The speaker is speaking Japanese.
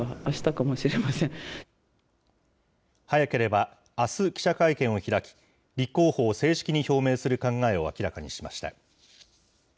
早ければあす、記者会見を開き、立候補を正式に表明する考えを明らかにしました。